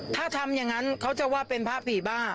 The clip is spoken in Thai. ถ้าทำอย่างนั้นเขาจะว่าเป็นพระผีบ้า